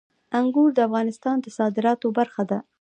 انګور د افغانستان د صادراتو برخه ده.